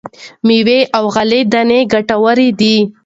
مېوې او غلې دانې ګټورې دي.